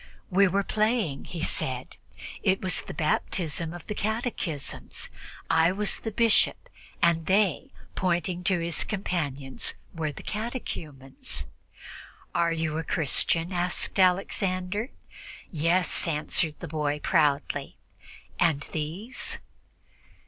"We were playing," he said. "It was the baptism of the catechumens. I was the bishop, and they" pointing to his companions were the catechumens." "Are you a Christian?" asked Alexander. "Yes," answered the boy proudly. "And these?"